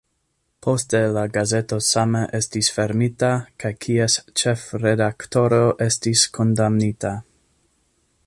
Poste la gazeto same estis fermita, kaj kies ĉefredaktoro estis kondamnita.